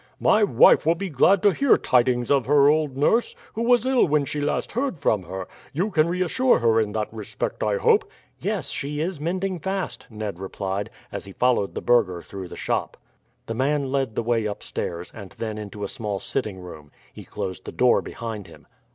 "My wife will be glad to hear tidings of her old nurse, who was ill when she last heard from her. You can reassure her in that respect, I hope?" "Yes, she is mending fast," Ned replied, as he followed the burgher through the shop. The man led the way upstairs, and then into a small sitting room. He closed the door behind him.